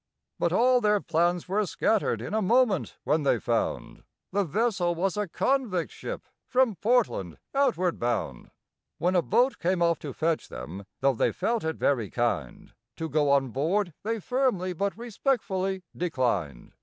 But all their plans were scattered in a moment when they found The vessel was a convict ship from Portland, outward bound; When a boat came off to fetch them, though they felt it very kind, To go on board they firmly but respectfully declined.